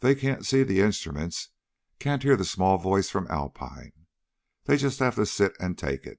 They can't see the instruments, can't hear the small voice from Alpine. They just have to sit and take it.